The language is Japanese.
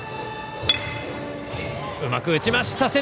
うまく打ちました。